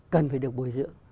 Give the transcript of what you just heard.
cần phải được bồi dưỡng